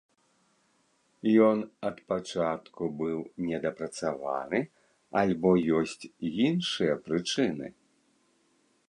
Ён ад пачатку быў недапрацаваны, альбо ёсць іншыя прычыны?